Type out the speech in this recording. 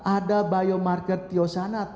ada biomarker tyosanat